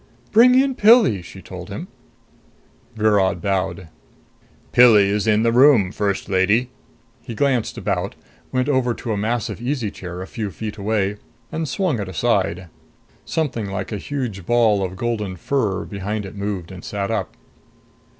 "Bring in Pilli," she told him. Virod bowed. "Pilli is in the room, First Lady." He glanced about, went over to a massive easy chair a few feet way, and swung it aside. Something like a huge ball of golden fur behind it moved and sat up.